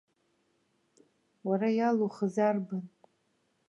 Уара иалухыз арбан?